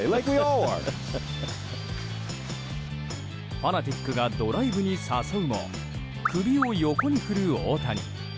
ファナティックがドライブに誘うも首を横に振る大谷。